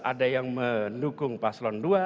ada yang mendukung paslon dua